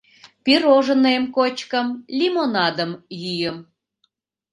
Пирожныйым кочкым, лимонадым йӱым...